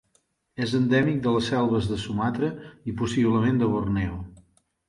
És endèmic de les selves de Sumatra i possiblement de Borneo.